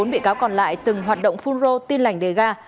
bốn bị cáo còn lại từng hoạt động phun rô tin lành đề ga